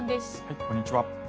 こんにちは。